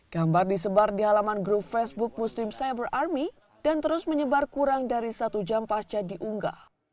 gambar disebar di halaman grup facebook muslim cyber army dan terus menyebar kurang dari satu jam pasca diunggah